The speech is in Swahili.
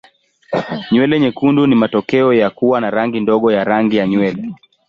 Nywele nyekundu ni matokeo ya kuwa na rangi ndogo ya rangi ya nywele.